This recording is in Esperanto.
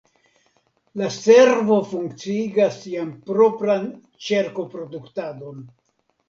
La servo funkciigas sian propran ĉerkoproduktadon.